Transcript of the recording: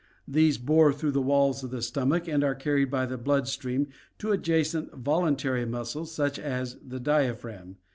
These bore through the walls of the stomach and are carried by the blood stream to adjacent voluntary muscles such as the diaphragm.